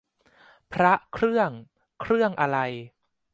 พระเครื่อง เครื่องอะไร